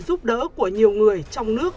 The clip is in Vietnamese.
giúp đỡ của nhiều người trong nước